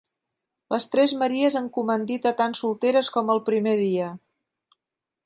Les tres Maries en comandita tan solteres com el primer dia